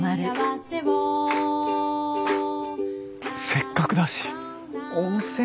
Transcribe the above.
せっかくだし温泉